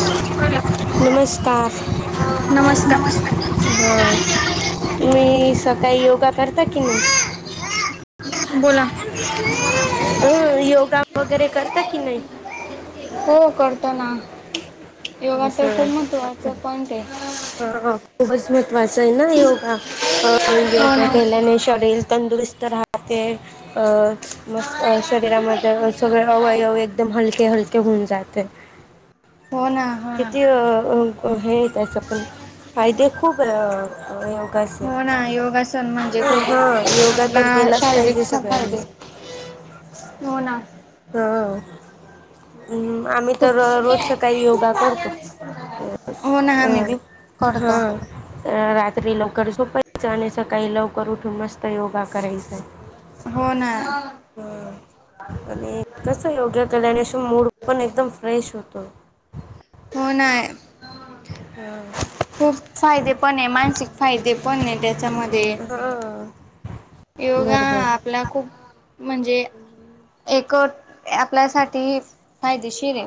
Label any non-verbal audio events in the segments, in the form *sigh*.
बर नमस्कार नमस्कार ह. मी सकाळी योगा करता की नाही. बोला अ योगा वगैरे करता कि नाही. हो करताना योगा तर खूप महत्त्वाच पणट आहे. ह खूपच महत्त्वाच आहे ना योगा. हो योगा ना केल्याने शरीर तंदुरुस्त राहते अ. मस् शरीरामध्ये सगळे अवयव एकदम हलके हलके होऊन जाते. हो ना. ना किती हे त्याचा पण फायदे खूप. योगाचे हो ना योगासन म्हणजे ना खूप हां योगा आपला तर केलाच शारीरिक पाहिजे सगळ्यांनी फायदे. हो ना. ह् आम्ही तर खूप रोज सकाळी योगा करतो. हो ना अ आम्ही बी हा. करतो राात्री लवकर झोपायच आणि सकाळी लवकर उठून मस्त योगा कयच. हो ना. आणिच योगा केल्यानेिश मूड पण एकदम फ्रेश होतो. पना आहे. ह. खूप फायदे पण आहे मानसिक फायदे पण आहे त्याच्यामध्ये ह योगा आपला खूप म्हणजे एक आपल्यासाठी फायदेशीर आहे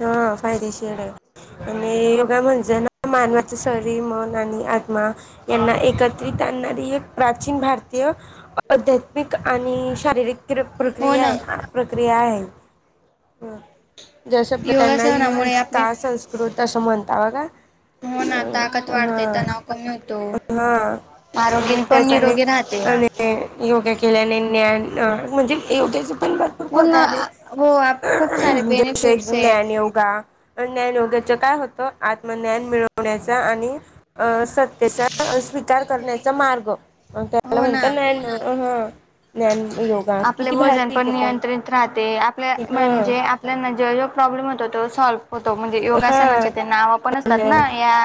हा फायदेशीर आहे आणि योगा म्हणजे ना मानवाचं शरीर मन आणि आत्मा यांना एकत्रित आणणारी एक प्राचीन भारतीय अध्यात्मिक आणि शारीरिक क हो प्रक्रिया ना आहे प्रक्रिया आहे ज्या शब्द त्यांना योगासनामुळे यूज आपले का संस्कृत असं म्हणतावा का हो ना ताकद वाढतेयेत नावक नवतो हा आरोगी अ पण त्याच्याने निरोगी राहते आणि योगा केल्याने ज्ञान म्हणजे योग्याच पण ब पु ना हो खूप सारे जसे बेनिफिट्स आहे ज्ञान योगा ज्ञानयोगाच काय होत आत्म ज्ञान मिळवण्याचा आणि अं सत्तेचा स्वीकार करण्याचा मार्ग अ त्याला म्हणतात ना ना अ आपले वजन पण नियंत्रित राहते आपल्या हा म्हणजे नाही नाही जो जो प्रॉब्लेम होतो तो सॉल्व होतो म्हणजे हा योगासनाचे ते नाव पण असतात ना या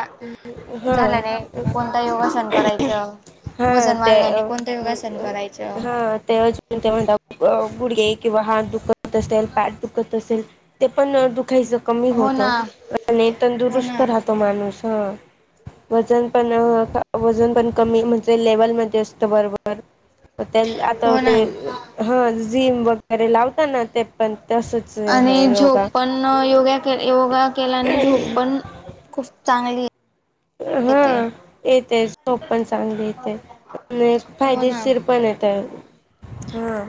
हा झाल्याने कोणता योगासन करायचं हा वजन ते वाढल्याने कोणतं योगासन करायचं हा ते्हा ते म्हणत गुडघे किंवा हात दुखत अस पॅट दुख असेल ते पण दुखा कमी हो होत ना आणि हो तंदुरुस्त ना राहत माणूस वजन पण वजन पण कमी म्हणजे लेवलमध्येध्ये असतं बरोबर तर त्या आता हो ते ना हा जिम वगैरे लावता ना ते पण तसच हे आणि झोप योगा पण योगा के योगा केल्याने झोप पण खूप चांगली हा येते येते झोप पण चांगली येते हो ना. फायदेशीर पण येत हा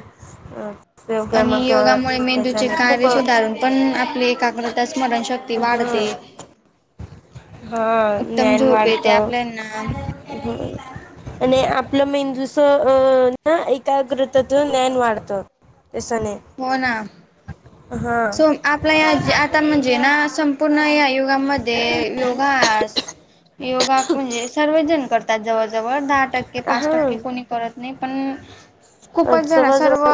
योगा आणि मग योगामुळे मेंदूचे त्याच्याने खूप कारे हा सुधारून पण आपले काग्र तर स्मरणशक्ती वाढते हा उत्तम ज्ञान झोप वाढत येते आपल्याना ह आणि आपलं मेंदूस अं ना एकाग्रतत् ज्ञान वाढतं केसाने हो ना सो आपल्या आता म्हणजे ना संपूर्ण या योगामध्ये योगास योगा म्हणजे सर्वजण करतात जवळ जवळ दहा टक्के पाच हा टक्के कोणी करत नाही पण खूपच जण जवळ सर्व जवळ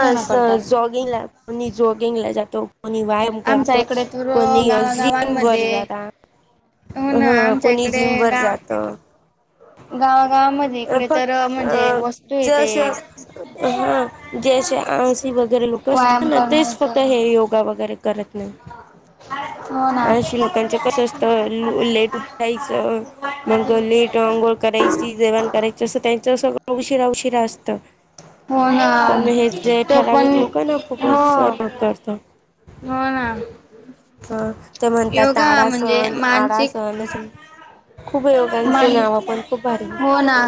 जण करतात. जॉगिंगला मी जॉगिंगला जातो कोणी व्यायाम आमच्या करतो इकडे तर कोणी अजीम वर गावागावांमध्ये जाता हो ना ह आमच्या कोणी इकडे जिमवर गा जात गावागावामध्ये इकडे तर फक्त म्हणजे अ वस्तू येते जसे आंळशी वगैरे लोक असतात व्यायाम ना तेच करण्याच फक्त हे योगा वगैरे करत नाही हो ना. अशी लोकांचं कसं असतं लेट उठायच मग लेट अंघोळ करायची जेवण करायची असं त्यांच अस उशीरा उशिरा असतं हो ना पण हे जे त पण ठराविक लोक ना हो खूपच हो ना ह ते म्हणतात त योगा म्हणजे आळाासण आळा मानसिक सण असं खूप योगांचे मान नाव पण खूप भारी हो ना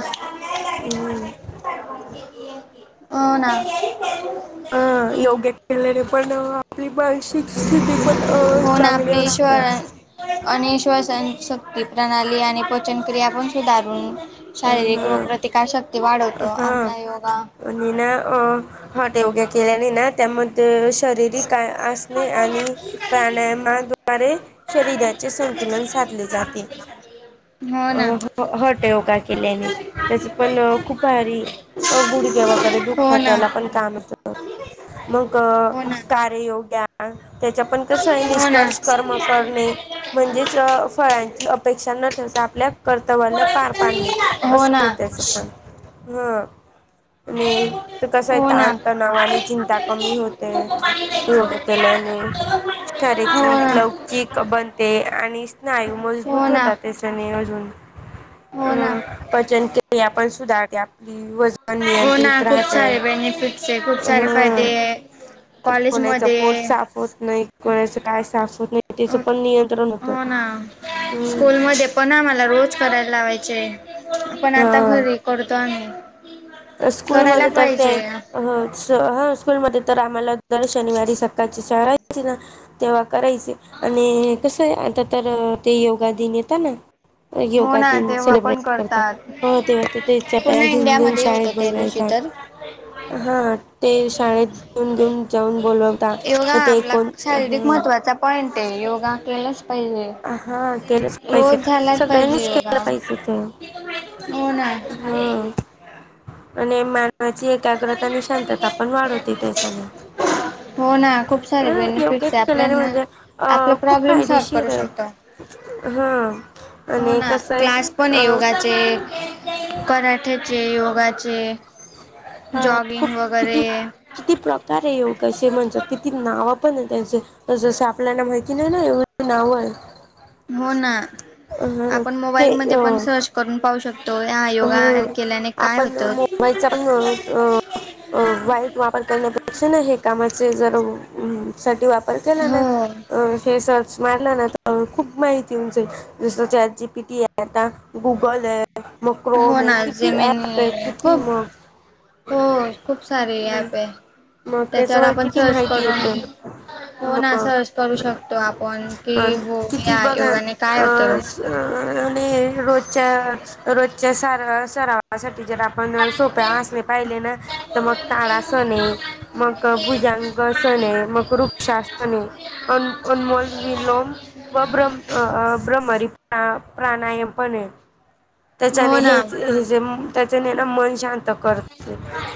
हम्म हो ना अ योग्य केलेले पण आपली मानसिक स्थिती पण हो ना चांगली आपली असते. ईश्वर आणि श्वसन शक्ती प्रणाली आणि पचनक्रिया पण सुधारून अ शारीरिक रोग हा प्र्रतिकारशक्ती वाढवतो हा आपला योगा आणि ना अ हॉटे उगे केलेने ना त्यामध्ये ते शरीरीिकय असणे आणि प्राणायामाद्वारे शरीराचे संतुलन साधले जाते. हो अ ना हॉट योगा केल्याने त्याच पण खुपहारी गुडग्या वगैरे हो दुखतात ना त्याला पण का मग हो ना कारयोग्या ह त्याच्या पण कस आहे हो ना निष्कर्ष कर्म करणे. म्हणजेच फळांची अपेक्षा न ठेवता आपल्या हो कर्तवाला पार पाडणे ना हो ना असं त्याचं पण ह आणि तर कस आहे हो ना तण तणावा आणि चिंता कमी होते. हो केल्याने शारीर लौकिक बनते आणि स्नायू मजबूत ना होतात ते. ज हो ना पचन के आपण सुधार आप व हो ना नियंत्रित खूप राहते सारे बेनिफिट्स आहे खूप सारे फायदे हम आहे कोणाच पोट कॉलेजमध्ये साफ होत नाही कराचं काय साफ होत नाही. त्याचं पण नियंत्रण होतं. हो ना हम्म स्कूलमध्ये पण आम्हाला रोज करायला लावायचे आपण आता घरी करतो आम्ही करायला स्कूलमध्येध्ये तर ते पाहिजे अ हा स्कूलमध्येध्ये तर आम्हाला जर शनिवारी सकाळची शळाची ना तेव्हा करायचे आणि कसं आहे आता तर ते योगा दिन येतं ना. हो योगा ना दिन तेव्हा पण सेलिब्रेट करत करतात हो ते तेचा टाया घेऊन घेऊन श टकल श तर हा ते शाळेत घेऊन घेऊन जाऊन बोलवता. योगा मग हा ते आपला कोण शारीरिक ह महत्त्वाचा पॉइंट आहे योगा केलाच पाहिजे. हा केलंच पाहिजे रोज झालाच पाहिजे सगळ्यांनीच योगा केलं पाहिजे ते हो ना हम आणि मानवाची एक एकाग्रता आणि शांतता पण वाढवते त्याना हो ना खूप अ सारे योग्य बेनिफिट्स आहे केल्याने आपल्याना म्हणजे अ आपला खूप प्रॉब्लेम सॉल्व करू फायदेशीर आहे. शकतो हा हो आणि ना कसं आहे क्लास पण आहे अ योगाचे कराठ्याचे योगाचे हा खूप जॉगिंग वगैरे. किती किती प्रकार आहे योगा अस म्हणजे किती नाव पण आहे त्यांचे जसं आपल्याला माहिती नाही ना एव नाव आहे. हो ना अ आपण ते मोबाईलमध्ये पण अ सर्च करून पाहू शकतो ह योगा केल्याने काय होत. च अ वाईट वापर करण्यापेक्षा हे कामाचे जर साठी वापर केला ना हो हे स. स्मारला ना खूप माहिती जा जस आ जीपी टी आहे आता गुगल आहे. मुक् हो ना जमीन खूप मग हो खूप सारी ऍप आहे मग त्याच्यावर आपण किती सर्च माहिती करून. येते हो ना मग असं करू शकतो आपण कि अ हो किती या बघा योगाने काय अ होतं र रोजच्या रोजच्या सार सरावासाठी जरा पण सोप्या असणे पाहिले ना तर मग ताडासन हाय. मग भुजांग सन मग वृक्षासने अन अनमोल विलोम व ब्रमं ब्रम्मरी प्राणायाम पण ये. त्याच्याने हो ना हेच जे त्याच्याने ना मन शांत कर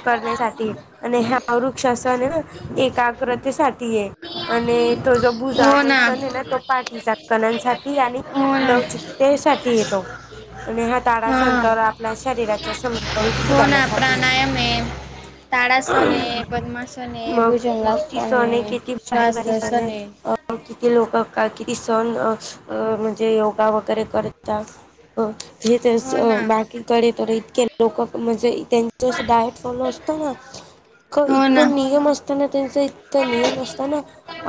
करण्यासाठी आणि ह वृक्षासन एकाग्रतेसाठी ये. आणि तो जो भुजागसणं ये ना तो पाठीच्या कण्यासाठी आणि हो ना लवचिकतेसाठी येतो. आणि हा तारा हा संतर आपल्या शरीराचा समतोल हो ना सुधारण्यासाठी ये. प्राणायाम आहे ताडासन आहे पद्मासन आहे मग किती भुजंगासन सण ये आहे किती भारी भारी सण श्वासासन ये आहे अ किती लोक का किती अ सण अ म्हणजे योगा वगैरे करतात. अ हे हो ना तर बाकीकडे तर इतके लोक म्हणजे त्यांच डायट फॉलो अस हो ना इतकं नियम असताना त्यांचा इतका नियम असताना.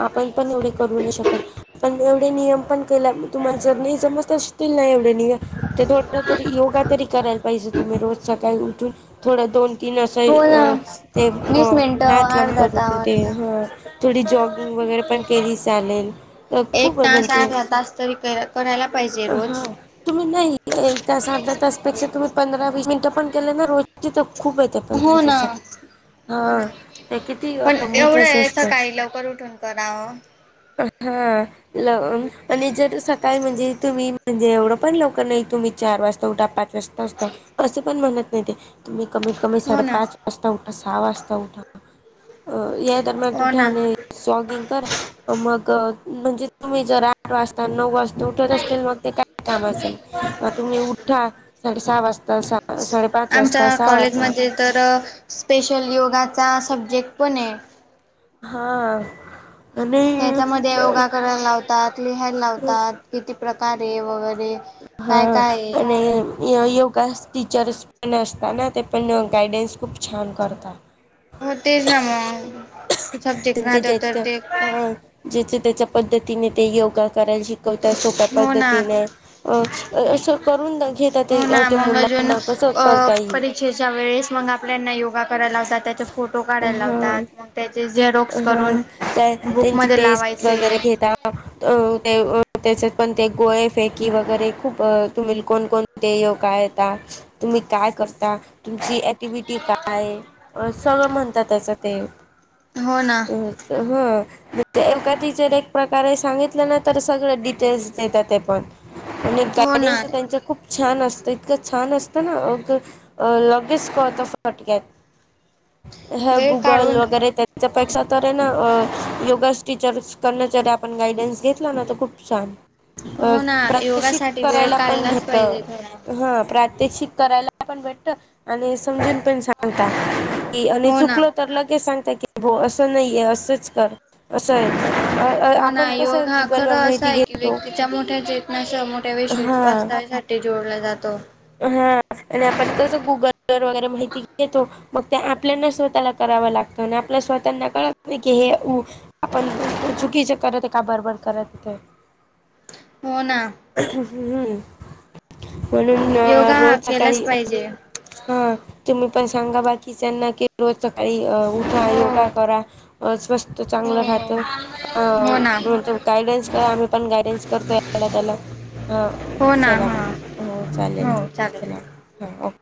आपण पण एवढे करू नाही शकत पण एवढे नियम पण केला तुम्हाला जर नाही समज *unintelligible* नाय एवढ्या नाहीय. तर थोड तरी योगा तरी करायला पाहिजे तुम्ही रोज सकाळी उठून थोडं दोन तीन असे हो अ ना ते अ वीस मिनिटं हात लाबं अर्धा करून ते तास हं थोडी जॉगिंग वगैरे पण केली चालेल तर खूप म्हणजे पाच तरी करां करायला पाहिजे रोज हा तुम्ही नाही एक त अर्धा तास पेक्षा तुम्ही पंधरा वीस मिनट पण केले ना रोज तर खूप आहेत पण हो ना तुमच्यासाठी हो हा ना ते किती पण एवढ महत्त्वाचं आहे असतं. सकाळी लवकर उठून कराव. आहा ल आणि जर सकाळी म्हणजे तुम्ही म्हणजे एवढं पण लवकर नाही तुम्ही चार वाजता उठा पाच वाजता असत असं पण म्हणत नाय ते तुम्ही कमीत कमी हो ना साडेपाच वाजता उठा सहा वाजता उठा अ या दरम्यान हो उठा ना आणि जॉगिंग करा. मग म्हणजे तुम्ही जर आठ वाजता नऊ वाजता उठत असतील मग ते काय कामाचं अ तुम्ही उठा साडे सहा वाजता साडेपाच वाजता आमच्या सहा वाजता कॉलेजमध्ये तर स्पेशल योगाचा सब्जेक्ट पण ये. हा आणि त्याच्यामध्ये योगा करायला लावतात लिहायला लावतात किती प्रकारे वगैरे हा काय काय आहे आणि यो योगा टीचर्स पण असता ना ते पण गायडन्स खूप छान करता. हो तेच ना म त्यांच्या ज्याच्या हा ज्याच्या त्याच्या पद्धतीने ते योगा करायला शिक कवताय त्या सोप्या हो ना पद्धतीने अ असं करून घेतात हो अ ते मुलांना कसं करता येई तेच्या वेळेस मग आपल्याना योगा करायला लावतात. त्याचे फोटो काढायला हा लावतात मग त्याचे झेरॉक्स हा करून बुकमध्ये लावायचे अ त्याच्यात पण ते गोळे फेकी वगैरे खूप अ तुम्ही कोण कोण ते काय आता तुम्ही काय करता तुमची ऍक्टिव्हटी काय ये. अ सगळं म्हणतात त्याचं ते हो ना अ ह म्हजे एका टीचर एक प्रकारे सांगितलं ना तर सगळं डिटेल्स देतात ते पण आणि हो ना गायडन्स त्यांचे खूप छान असतं इतकं छान असतं ना लगेच कळत फटक्यात. ह वेळ गुगल काढून वगैरे त्यात त्याच्यापेक्षा तर आहे ना योगास टीचर् कडना जर आपण गायडन्स घेतला ना तर खूप छान. अ हो ना प्रात्यक्षिक योगासाठी वेळ करायला पण काढलाच भेटत पाहिजे थोडा हा प्रात्यक्षिक करायला पण भेटत आणि समजून पण सांगता की आणि हो चुकल ना तर लगेच सांगत की भाऊ असं नाहीये असंच कर असं आहे. अ, हो ना आपण कसं योग हा खरं गुगलवर असा माहिती आहे की घेतो व्यक्तीच्या मोठ्या चेतनास मोठ्या वैश् हा वास्ताव्यासाठी ते जोडला जातो. हा आणि आपण तस गुगल व वगैरे माहिती घेतो. मग ते आपल्याना स्वतःला करावं लागत आणि आपल्या स्वतःना कळ की हे आपण चूकीचे करत ते का बरबर करत ते. हो ना. म्हणून योगा हा रोज केलाच सकाळी पाहिजे. हा तुम्ही पण सांगा बाकीचना की रोज सकाळी उठा हो. योगा करा स्वस्थ हो चांगलं हो राहत. अ हो ना म्हण गायडन्स काय आम्ही पण गायडन्स करतोय ह्याला त्याला. हा हो ना चला हा म हो चालेल हो चालेल. चला हा ओके.